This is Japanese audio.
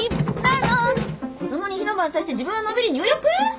子供に火の番させて自分はのんびり入浴！？